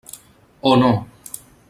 Oh, no!